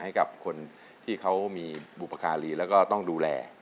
ให้กับคนที่เขามีบุปการีแล้วก็ต้องดูแล